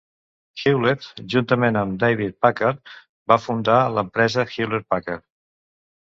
Hewlett, juntament amb David Packard van fundar l'empresa Hewlett-Packard.